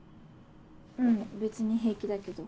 うん別に平気だけど。